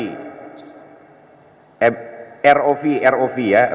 terus mbss juga disitu juga disiapkan